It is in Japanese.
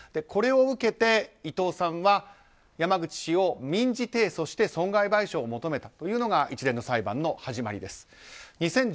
これを受けて、伊藤さんは山口氏を民事提訴して損害賠償を求めたというのが一連の裁判の始まりです。